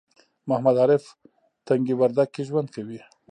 محمد عارف تنگي وردک کې ژوند کوي